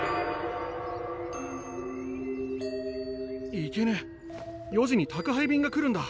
いけね４時に宅配便が来るんだ！